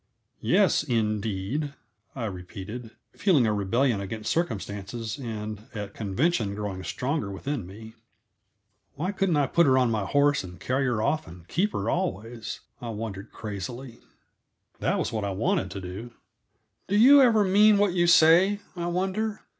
"Yes, 'indeed'!" I repeated, feeling a rebellion against circumstances and at convention growing stronger within me. Why couldn't I put her on my horse and carry her off and keep her always? I wondered crazily. That was what I wanted to do. "Do you ever mean what you say, I wonder?"